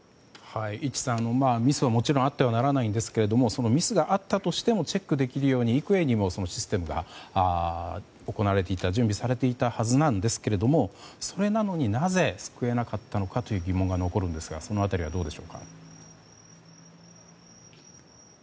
伊地さん、ミスはもちろんあってはならないんですけどもそのミスがあったとしてもチェックできるように幾重にもシステムが行われていた準備されていたはずなんですがそれなのになぜ救えなかったのかという疑問が残るんですがその辺りはどうでしょうか。